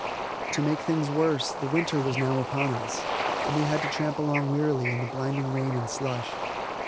To make things worse, the winter was now upon us, and we had to tramp along wearily in the blinding rain and slush.